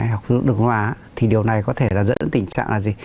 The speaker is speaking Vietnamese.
hoặc đông hóa thì điều này có thể là dẫn đến tình trạng là gì